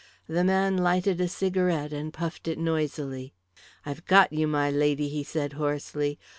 The man lighted a cigarette and puffed it noisily. "I've got you, my lady," he said hoarsely.